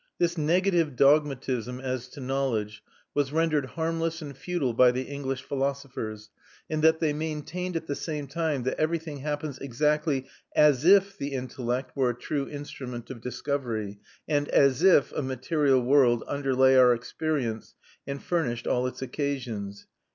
This negative dogmatism as to knowledge was rendered harmless and futile by the English philosophers, in that they maintained at the same time that everything happens exactly as if the intellect were a true instrument of discovery, and as if a material world underlay our experience and furnished all its occasions.